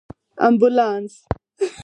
🚑 امبولانس